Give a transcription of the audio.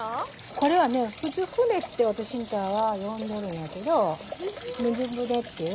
これはねふつう舟ってわたしらはよんでるんやけど水舟っていう。